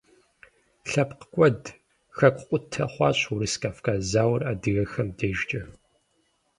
ЛъэпкъкӀуэд, хэкукъутэ хъуащ Урыс-Кавказ зауэр адыгэхэм дежкӀэ.